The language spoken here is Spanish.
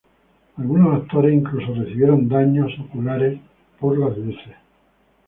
Algunos actores incluso recibieron daño ocular por las luces.